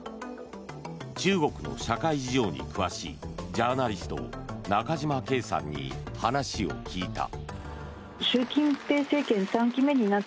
中国の社会事情に詳しいジャーナリスト中島恵さんに話を聞いた。